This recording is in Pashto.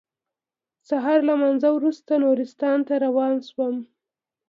سهار له لمانځه وروسته نورستان ته روان شوم.